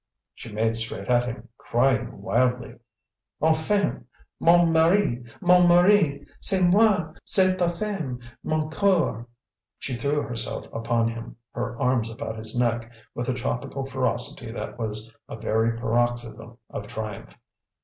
She made straight at him, crying wildly: "Enfin! Mon mari, mon mari c'est moi! C'est ta femme, mon coeur!" She threw herself upon him, her arms about his neck, with a tropical ferocity that was a very paroxysm of triumph.